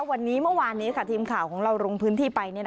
วันนี้เมื่อวานนี้ทีมข่าวของเราลงพื้นที่ไป